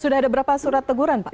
sudah ada berapa surat teguran pak